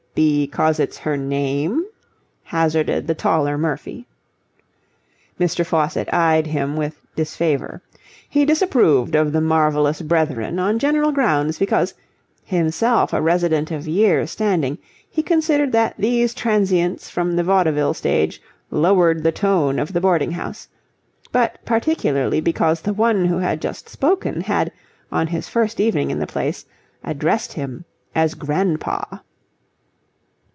"Because it's her name," hazarded the taller Murphy. Mr. Faucitt eyed him with disfavour. He disapproved of the marvellous brethren on general grounds because, himself a resident of years standing, he considered that these transients from the vaudeville stage lowered the tone of the boarding house; but particularly because the one who had just spoken had, on his first evening in the place, addressed him as "grandpa."